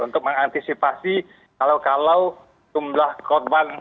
untuk mengantisipasi kalau kalau jumlah korban